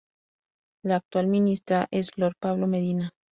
La actual ministra es Flor Pablo Medina.